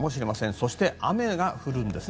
そして、雨が降るんですね。